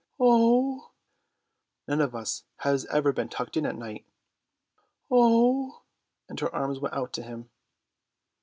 "Oo!" "None of us has ever been tucked in at night." "Oo," and her arms went out to him.